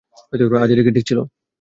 আদিতি ঠিক ছিল।